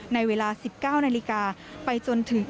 ในเวลา๑๙นาฬิกาไปจนถึง